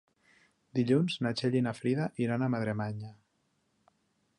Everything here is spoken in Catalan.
Dilluns na Txell i na Frida iran a Madremanya.